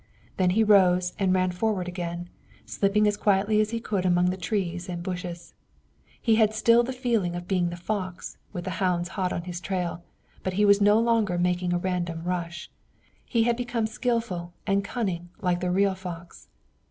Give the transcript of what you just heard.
Then he rose and ran forward again, slipping as quietly as he could among the trees and bushes. He still had the feeling of being the fox, with the hounds hot on his trail, but he was no longer making a random rush. He had become skillful and cunning like the real fox.